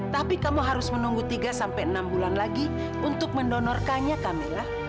tapi kamu harus menunggu tiga sampai enam bulan lagi untuk mendonorkannya kamila